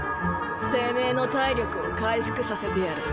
てめぇの体力を回復させてやる。